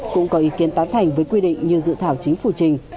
cũng có ý kiến tán thành với quy định như dự thảo chính phủ trình